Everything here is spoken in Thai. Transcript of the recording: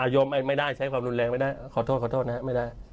โยมไม่ได้ใช้ความรุนแรงไม่ได้ขอโทษนะฮะ